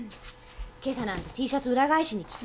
今朝なんてＴシャツ裏返しに着て。